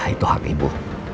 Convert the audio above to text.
itu hak ibu